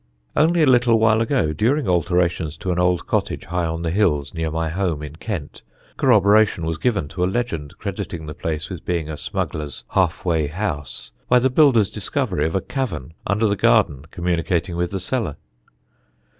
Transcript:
Only a little while ago, during alterations to an old cottage high on the hills near my home in Kent, corroboration was given to a legend crediting the place with being a smuggler's "half way house," by the builders' discovery of a cavern under the garden communicating with the cellar.